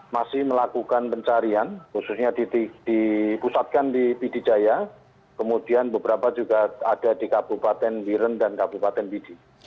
masih melakukan pencarian khususnya dipusatkan di pidijaya kemudian beberapa juga ada di kabupaten biren dan kabupaten bidi